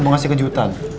mau ngasih kejutan